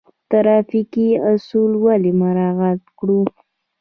ټرافیکي اصول ولې مراعات کړو؟